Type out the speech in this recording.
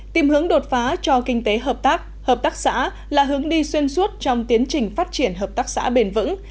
tìm hướng đột phá cho kinh tế hợp tác hợp tác xã là hướng đi xuyên suốt trong tiến trình phát triển hợp tác xã bền vững